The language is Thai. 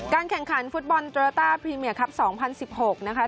แข่งขันฟุตบอลโตราต้าพรีเมียครับ๒๐๑๖นะคะ